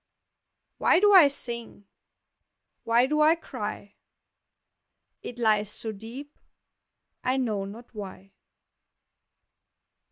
Why do I sing? Why do I cry? It lies so deep I know not why.